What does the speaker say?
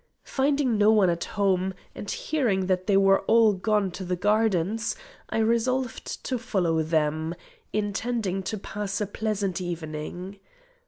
Finding no one at home, and hearing that they were all gone to the gardens, I resolved to follow them, intending to pass a pleasant evening.